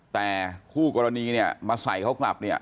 แต่คู่กรณีเนี่ยมาใส่เขากลับเนี่ย